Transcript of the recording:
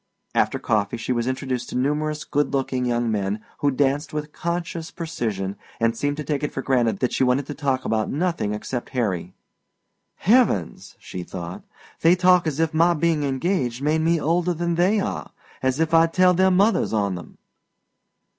After coffee she was introduced to numerous good looking young men who danced with conscious precision and seemed to take it for granted that she wanted to talk about nothing except Harry. "Heavens," she thought, "They talk as if my being engaged made me older than they are as if I'd tell their mothers on them!"